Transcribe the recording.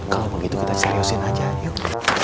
kalau begitu kita seriusin aja yuk